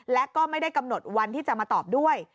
และก็ไม่ได้กำหนดวันที่จะมาตอบด้วย